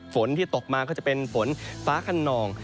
ฝนที่ตกมาก็จะเป็นฝนฟ้าขนอง